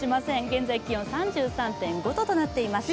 現在気温３３．５度となっています。